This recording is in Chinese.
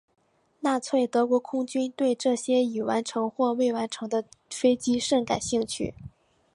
纳粹德国空军对这些已完成或未完成的飞机甚感兴趣。